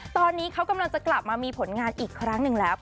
ตอนนี้เขากำลังจะกลับมามีผลงานอีกครั้งหนึ่งแล้ว